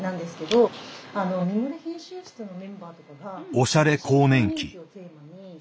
「おしゃれ更年期」。